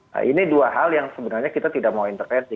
nah ini dua hal yang sebenarnya kita tidak mau intervensi